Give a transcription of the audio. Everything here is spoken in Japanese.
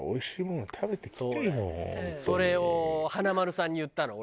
それを華丸さんに言ったの。